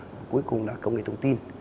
và cuối cùng là công nghệ thông tin